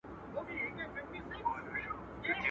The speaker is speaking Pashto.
o له ښاره ووزه، له نرخه ئې مه وزه.